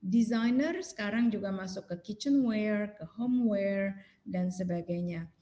desainer sekarang juga masuk ke kitchenware ke homeware dan sebagainya